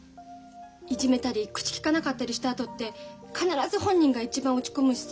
いじめたり口きかなかったりしたあとって必ず本人が一番落ち込むしさ。